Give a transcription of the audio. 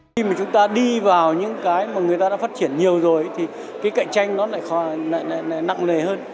khi mà chúng ta đi vào những cái mà người ta đã phát triển nhiều rồi thì cái cạnh tranh nó lại nặng lề hơn